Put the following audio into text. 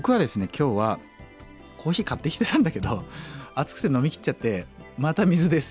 今日はコーヒー買ってきてたんだけど暑くて飲みきっちゃってまた水です。